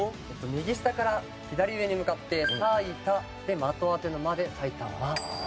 右下から左上に向かって「さいた」で「まとあて」の「ま」で「さいたま」という事ですよね。